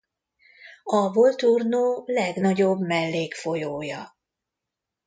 A Volturno legnagyobb mellékfolyója.